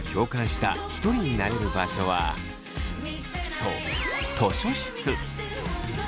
そう図書室。